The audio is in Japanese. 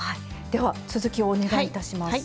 では続きをお願いいたします。